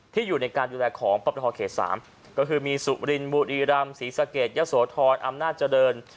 ที่อยู่ในการดูแลของประมาทธอเขต๓ก็คือมีสุรินบุรีรัมศรีสะเกตยัสวทรอำนาจเจริญ